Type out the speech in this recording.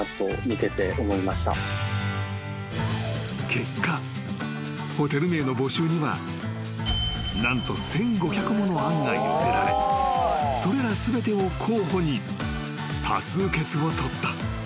［結果ホテル名の募集には何と１，５００もの案が寄せられそれら全てを候補に多数決を取った］